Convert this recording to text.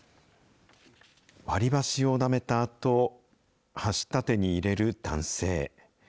割り箸をなめたあと、箸立てに入れる男性。